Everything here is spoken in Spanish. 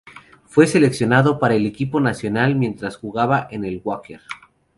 Fue seleccionado para el equipo nacional de mientras jugaba en el Wacker.